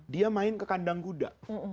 dia main ke kandang kuda